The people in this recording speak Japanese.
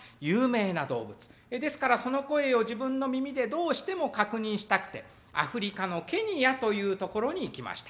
ですからその声を自分の耳でどうしても確認したくてアフリカのケニアという所に行きました。